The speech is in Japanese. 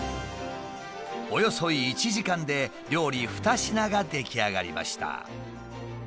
およそ１時間で料理２品が出来上がりました。